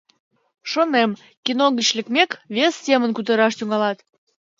Шонем, кино гыч лекмек, вес семын кутыраш тӱҥалат.